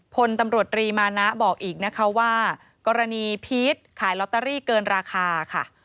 พลตำรวจรีมานะบอกอีกนะคะว่ากรณีพีชขายลอตเตอรี่เกินราคาค่ะ